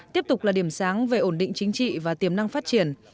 tiếp tục là điểm sáng về ổn định chính trị và tiềm năng phát triển